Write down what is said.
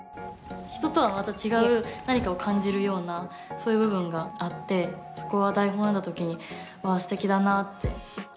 人とはまた違う何かを感じるようなそういう部分があってそこは台本を読んだ時にわあすてきだなって。